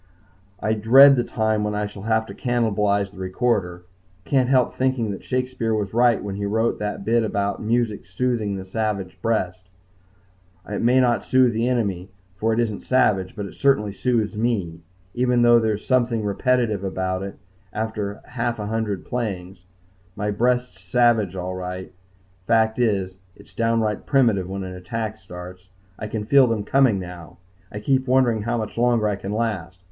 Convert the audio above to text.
I dread the time when I shall have to cannibalize the recorder. Can't help thinking that Shakespeare was right when he wrote that bit about music soothing the savage breast. It may not soothe the enemy, for it isn't savage, but it certainly soothes me, even though there's something repetitive about it after a half a hundred playings. My breast's savage all right. Fact is, it's downright primitive when an attack starts. I can feel them coming now. I keep wondering how much longer I can last.